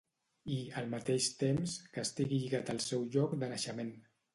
I, al mateix temps, que estigui lligat al seu lloc de naixement.